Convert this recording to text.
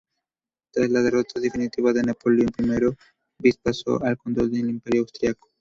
Tras la derrota definitiva de Napoleón I, Vis pasó al control del Imperio austríaco.